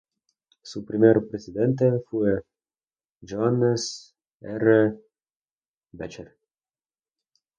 Su primer presidente fue Johannes R. Becher.